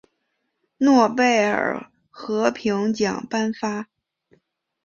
诺贝尔和平奖颁发。